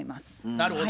なるほど。